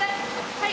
はい。